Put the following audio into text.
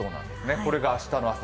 これが明日の朝。